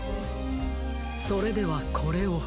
それではこれを。